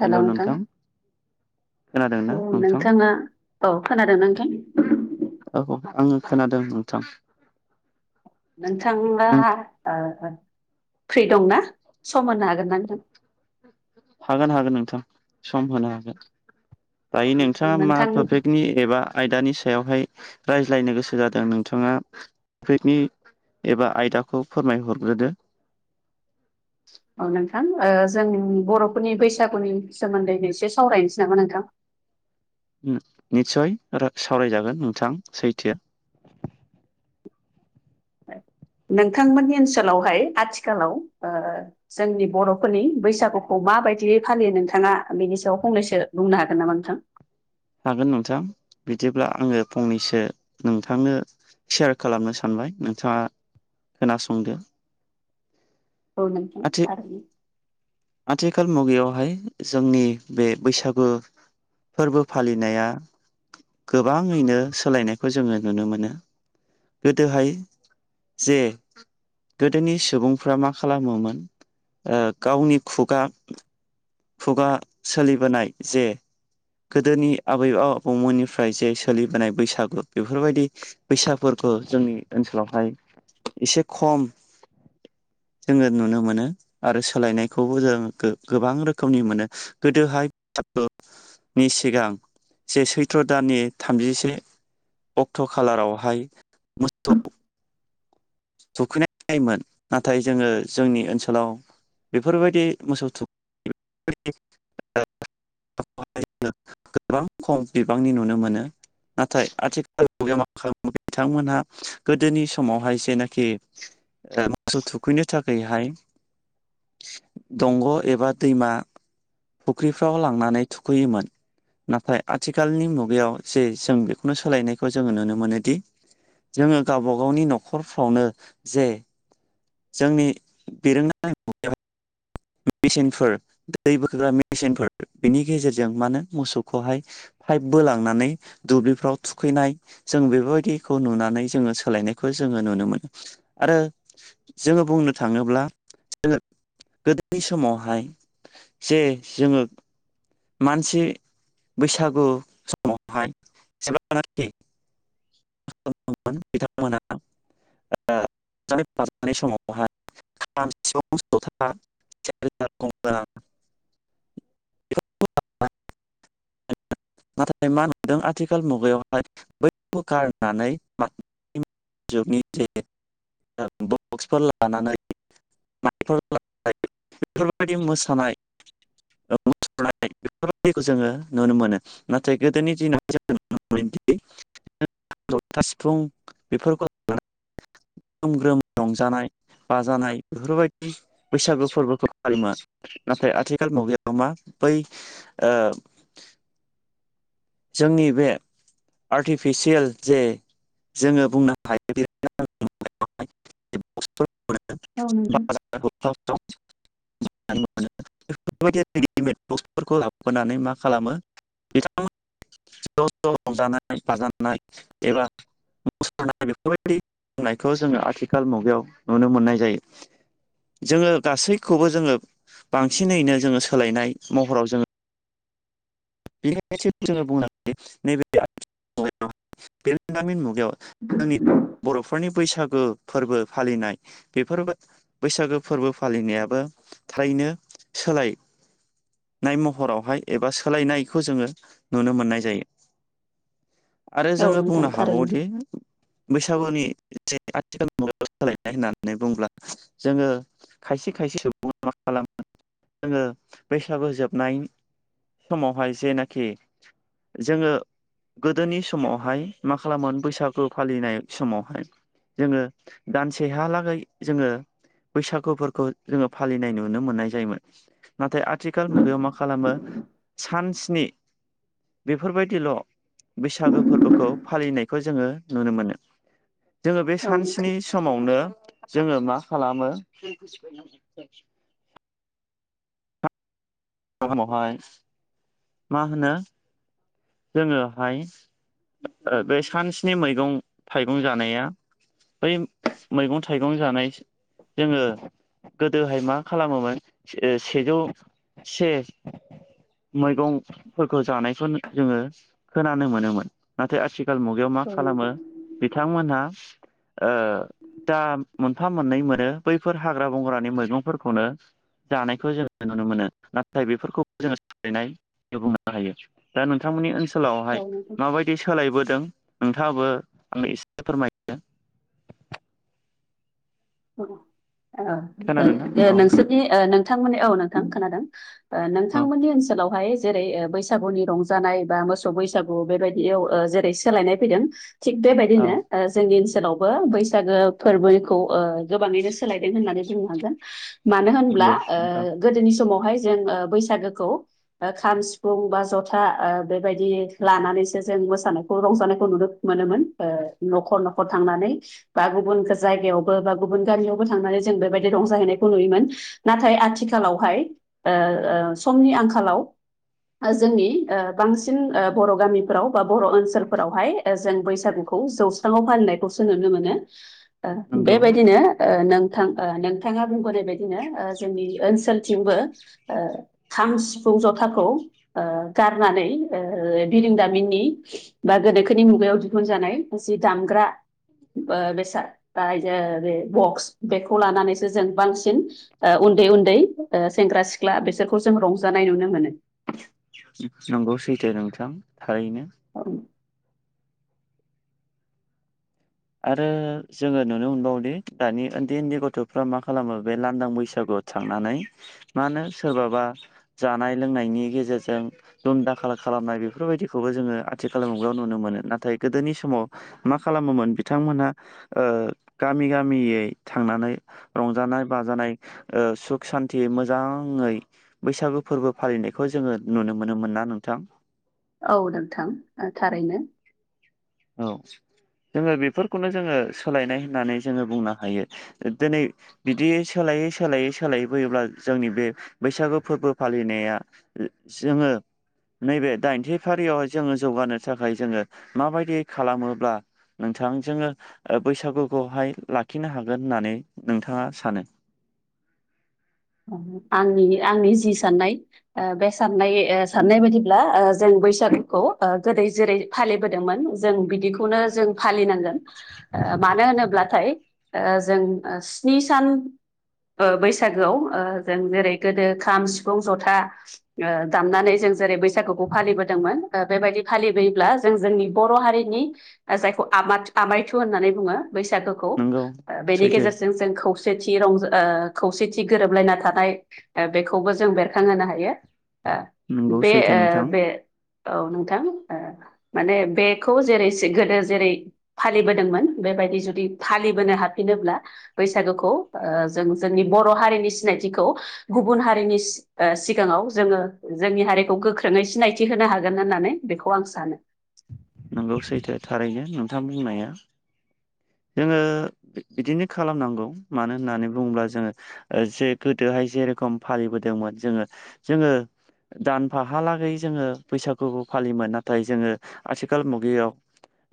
हेल नोंथां। खोनादों ना औ नोंथां नोंथाङा औ खोनादों नोंथां। औ आङो खोनादों नोंथां। नों थांआ नों फ्रि दंना सम होनो हागोना नोंथां? हागोन हागोन नोंथां सम होनो हागोन दायो नोंथां नोंथाङा मा नोंथां टपिकनि एबा आयदानिायाव सायावहाय रायज्लायनो गोसो जादों नोंथाङा बेफोरनि एबा आयदाखौ फोरमायहरग्रोदो [inaudible] औ नोंथां ओ जों बर'फोरनि बैसागुनि सोमोन्दैनो एसे सावरायनोसै नामा नोंथां? [inaudible] निस्सय सावरायजागोन नोंथां सैथो नोंथांमोननि ओनसोलावहाय आथिखालाव ओ जोंनि बर'फोरनि बैसागुखौ माबायदि फालियो नोंथाङा बेनि सायाव फंनैसो बुंनो हागोन नामा नोंथां? हागोन नोंथां बिदिब्ला आङो फंनैसो नोंथांनो सेयार खालामनो सानबाय नोंथाङा खोनासंदो औ नोंथां आथि थारैनो आथिखाल मुगायावहाय जोंनि बे बैसागु फोरबो फालिनाया गोबाङैनो सोलायनायखौ जोङो नुनो मोनो गोदोहाय जे गोदोनि सुबुंफ्रा मा खालामो दा गावनि खुगा खुगा सोलिबोनाय जे गोदोनि आबै आबौमोननिफ्राय जे सोलिबोनाय बैसागु बेफोरबायदि बैसागुवा जोंनि ओनसोलावहाय एसे खम जोङो नुनो मोनो आरो सोलायनायखौबो जों गोबां रोखोम खौनि मोनो गोदोहाय [unintelligible] बिजनि सिगां जे सैथ्र' दाननि थामजिसे अक्ट' खालारावहाय मोसौ सखैनाय जायोमोन नाथाय जोङो जोंनि ओनसोलाव बेफोरबायदि मोसौ थूख [unintelligible] गोबां खम बिबांनि नुनो मोनो नाथाय आथिखालाव मा खालामो बिथांमोनहा गोदोनि समावहाय जेनो - खिमोसौ ओ थुखैनो थाखायहाय दंग' एबा दैमा फुख्रिफ्राव लांनानै थुखैयोमोन नाथाय आथिखालनि मुगायाव जे जों बेखौनो सोलायनायखौ जोङो नुनो मोनोदि जोङो गावबा गावनि न'खर फावनो जे जोंनि बिरोंदारीमुगा याव मेचिनफोर दै बोखोग्रा मेचिनफोर बिनि गेजेरजों मा होनो मोसौखौहाय पाइप बोलांनानै दुब्लिफ्राव थुखैनाय जों बेफोरबायदिखौ नुनानै जोङो सोलायनायखौ जोङो नुनो मोनो आरो जोङो बुंनो थाङोब्ला जों गोदो बै समावहाय जे जोङो मानसि बैसागु समावहाय जेबानाखि [unintelligible] बिथांमोना [unintelligible] समावहाय खाम सिफुं जथा सेरजा गंगोना बेफोर नाथाय मा नुदों आथिखाल मुगायावहाय बैफोरखौ गारनानै जुगनि जे बक्सफोर लानानै माइकफोर लानानै बेफोरबायदि मोसानाय मुसुरनाय बेफोरबायदिखौ जोङो नुनो मोनो नाथाय गोदोनि दिनाव जोङो नुनो मोनोदि जथा सिफुं बेफोरखौ लानानै [inaudible] ग्रोम ग्रोम रंजानाय बाजानाय बेफोरबायदि बैसागु फोरबोखौ फालिबा नाथ नाथाय आथिखाल मुगायाव मा बै ओ जोंनि बे आर्टिफिसियेल जे जोङो बुंनो हायो बे [inaudible] औ नोंथां [unintelligible] [inaudible] मोनो बेफोरबायदि रेडिमेट बक्सफोरखौ लाबोनानै मा खालामो बिथां- [inaudible] ज' ज' रंजानाय बाजानाय एबा मुसुरनाय बेफोरबायदि नायखौ जोङो आथिखाल मुगायाव नुनो मोननाय जायो जोङो गासैखौबो जोङो बांसिनैनो जोङो सोलायनाय महराव जोङो बेनिखायनो [unintelligible] बेयाव जोंनि बर'फोरनि बैसागु फोरबो फालिनाय बेफोर बैसागु फोरबो फालिनायाबो थारैनो नो सोलायनाय महरावहाय एबा सोलायनाय बेखौ जोङो नुनो मोननाय जायो आरो औ जोङो नोंथां बुंनो थारैनो हाबावोदि बैसागुनि आथिखाल मुगायाव सोलायनाय होननानै बुंब्ला जोङो खायसे खायसे सुबुं- [inaudible] जोङो बैसागु जोबनाय समावहाय जेनाखि जोङो गोदोनि समावहाय मा खालामोमोन बैसागो फालिनाय समावहाय जोङो दानसेहालागै जोङो बैसागुफोरखौ जोङो फालिनाय नुनो मोननाय जायोमोन नाथाय आथिखाल मुगायाव मा खालामो सान स्नि बेफोरबायदिल' बैसागो फोरबोखौ फालिनायखौ जोङो नुनो मोनो जोङो बे औ नोंथां सानस्नि समावनो जोङो मा खालामो आवहाय मा होनो जोङोहाय बे सानस्नि मैगं थाइगं जानाया बै मैगं थाइगं जानाय जोङो गोदोहाय मा खालामोमोन सेजौ से मैगंफोरखौ जानायखौ जोङो खोनानो मोनोमोन नाथाय आथि- आथिखाल मुगायाव मा औ खालामो नोंथां बिथांमोनहा दा मोनफा मोननै मोन- बैफोर हाग्रा बंग्रानि मैगंफोरखौनो जानायखौ जोंङो नुनो मोनो नाथाय बेफोरखौ जोङो सोलायनाय [unintelligible] हायो दा नोंथांमोननि ओनसोलाव ओनसोलावहाय औ नोंथां माबायदि सोलायबोदों नोंथाङाबो आंनो एसे फोरमायदो खोनादोंना औ नोंसोरनि नोंथांमोननि औ नोंथां खोनादों औ नोंथांमोननि ओनसोलावहाय जेरै बैसागुनि रंजानाय बा मोसौ बैसागु बेबायदियाव जेरै सोलायनाय फैदों थिग औ बेबायदिनो जोंनि ओनसोलावबो बैसागो फोरबोखौ गोबाङैनो सोलायदों होननानै बुंनो हागोन मानो होनब्ला नंगौ नोंथां गोदोनि समाव बेहाय जों बैसागोखौ खाम सिफुं बा जथा बेबायदि लानानैसो जों मोसानायखौ रंजानायखौ नुनो मोनोमोन नखर नखर थांनानै बा गुबुन जायगायावबो बा गुबुन गारियावबो थांनानै जों बेबायदि रंजाहैनायखौ नुयोमोन नाथाय आथिखालावहाय समनि आंखालाव जोंनि बांसिन बर गामिफ्राव बा बर ओनसोलफोरावहाय जों बैसागुखौ जौस्राङाव फाननायखौसो नुनो मोनो नंगौ बेबायदि नोंथां नोंथाङा बुंबोनाय बायदिनो जोंनि ओनसोल जोंनिथिंबो ओ खाम, सिफुं, जथाखौ ओ गारनानै ओ बिरोंदामिननि बा गोनोखोनि मुगायाव दिहुनजानाय मोनसे दामग्रा ओ बेसाद बे बक्स बेखौ लानानैसो जों बांसिन उन्दै उन्दै ओ सेंग्रा सि ख्ला बेसोरखौ जों रंजानाय नुनो मोनो। नंगौ सैथो नोंथां थारैनो। आरो जोङो नुनो मोनबावोदि दानि उन्दै उन्दै गथफ्रा मा खालामो बे लांदां बैसागु थांनानै माहोनो सोरबाबा जानाय लोंनायनि गेजेरजों दुमदाखाल खालामनाय बेफोरबायदिखौबो जोङो आथिखाल मुगायाव नुनो मोनो नाथाय गोदोनि समाव मा खालामोमोन बिथांमोनहा ओ गामि गामियै थांनानै रंजानाय बाजानाय ओ सुख शान्तियै मोजाङै बैसागु फोरबो फालिनायखौ जोङो नुनो मोनोमोन ना नोंथां। औ नोंथां थारैनो। औ जोङो बेफोरखौनो जोङो सोलायनाय होननानै जोङो बुंनो हायो दिनै बिदियै सोलाय सोलायै सोलायै सोलायै फैयोब्ला जोंनि बे बैसागु फोरबो फालिनाया जोङो नैबे दाइनथि फारियावहाय जोङो जौगानो थाखाय जोङो माबायदि खालामोब्ला नोंथां जोङो बैसागुखौहाय लाखिनो हागोन होननानै नोंथाङा सानो? [inaudible] आंनि आंनि जि साननाय बे साननाय साननाय बायदिब्ला जों बैसागुखौ गोदै जेरै फालिबोदोंमोन जों बिदिखौनो जों फालिनांगौ। मानो होनो ब्लाथाय जों स्नि सान बैसागोआव ओ जों जेरै गोदो खाम, सिफुं, जथा ओ दामनानै जों जेरै बैसागुखौ फालिबोदों मोन बेबायदि फालिबोयोब्ला जों जोंनि बर' हारिनि जायखौ आमायथु होननानै बुङो बैसागुखौ नंगौ बेनि सैथो गेजेरजों जों खौसेथि रंजा ओ खौसेथि गोरोबलायना थानाय बेखौबो जों बेरखांहोनो हायो। नंगौ बे सैथो नोंथां बे औ नोंथां ओ माने बेखौ जेरै गोदो जेरै फालिबोदोंमोन बेबायदि जुदि फालिबोनो हाफिनो ब्ला बैसागुखौ जों जोंनि बर' हारिनि सिनायथिखौ गुबुन हारिनि सिगाङाव जोङो जोंनि हारिखौ गोख्रोङै सिनायथि होनो हागोन होननानै बेखौ आं सानो। नोंगौ सैथो थारैनो नोंथां बुंनाया। जोङो बिदिनो खालामनांगौ मानो होननानै बुङोब्ला जोङो जे गोदोहाय जेरेखम फालिबोदों मोन जोङो जोङो दानफाहालागै जोङो बैसागुबो फालियोमोन नाथाय जोङो आथिखाल मुगायाव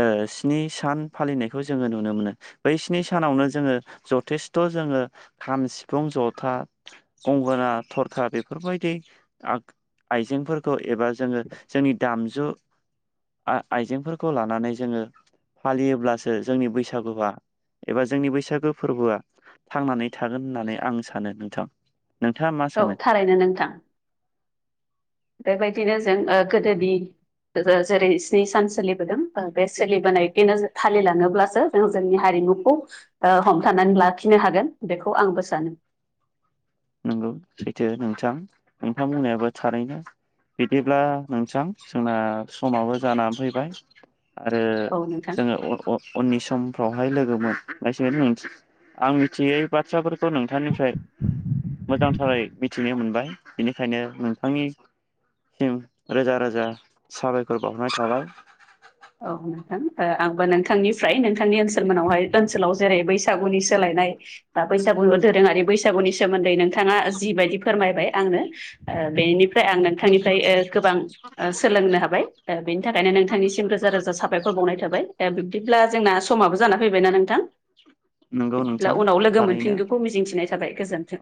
ओ स्नि सान फालिनायखौ जोङो नुनो मोनो बै स्नि सानावनो जोङो जथेस्थ जोङो खाम, सिफुं, जथा, गंगोना, थरखा बेफोरबायदि आ आइजेंफोरखौ एबा जोङो जोंनि दामजु आइजेंफोरखौ लानानै जोङो फालियोब्लासो जोंनि बैसागुआ एबा जोंनि बैसागो फोरबोआ थांनानै थागोन होननानै आं सानो नोंथां। नोंथाङा मा औ सानो थारैनो नोंथां। बेबायदिनो जों ओ गोदोनि जेरै स्नि सान सोलिबोदों ओ बे सोलिबोनायखौनो फालिलाङोब्लासो जों जोंनि हारि मुखौ ओ हमथानानै लाखिनो हागोन बेखौ आंबो सानो। नंगौ सैथो नोंथां नोंथां बुंनायाबो थारैनो। बिदिब्ला नोंथां जोंना समाबो जाना फैबाय आरो औ नोंथां जोङो उन [unintelligible] सम फ्रावहाय लोगो [unintelligible] आं मिथियै बाथ्राफोरखौ नोंथांनिफ्राय मोजांथारै मिथिनो मोनबाय बेनिखायनो नोंथांनि [unintelligible] रोजा रोजा साबायखर बावहरनाय थाबाय। औ नोंथां ओ आंबो नोंथांनिफ्राय नोंथांनि ओनसोल मोनावहाय ओनसोलाव जेरै बैसागुनि सोलाय [unintelligible] बैसागु दोरोङारि बैसागुनि सोमोन्दै नोंथाङा जिबायदि फोरमायबाय आंनो ओ बेनि फ्राय आं नोंथांनिफ्राय ओ गोबां ओ सोलोंनो हाबाय ओ बेनि थाखायनो नोंथांनिसिमरो रोजा रोजा साबायखर बावनाय थाबाय दा बिब्दिब्ला जोंना समाबो जाना फैबायना नोंथां नंगौ बिदिब्ला नोंथां उनाव लोगो थारैनो मोनफिनगोनखौ मिजिंथिनाय थाबाय। गोजोन्थों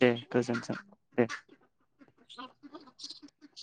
दे गोजोनथों दे [inaudible]